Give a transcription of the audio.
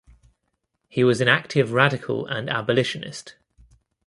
He was an active radical and abolitionist.